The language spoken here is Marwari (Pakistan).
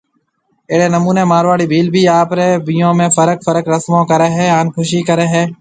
اهڙي نموني مارواڙي ڀيل بِي آپري بيھون۾ فرق فرق رسمون ڪري هي هان خوشي ڪري هي